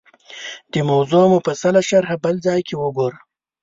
دې موضوع مفصله شرحه بل ځای کې وګورو